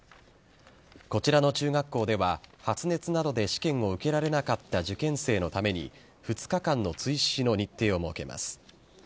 こちらの中学校では、発熱などで試験を受けられなかった受験生のために、２日間の追試の日程を設けます。